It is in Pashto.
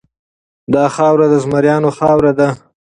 دا خاوره د زمریانو خاوره ده.